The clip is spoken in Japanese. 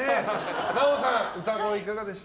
奈緒さん、歌声いかがでした？